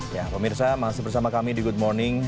ya pemirsa masih bersama kami di good morning